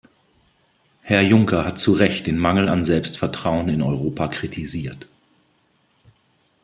Herr Juncker hat zu Recht den Mangel an Selbstvertrauen in Europa kritisiert.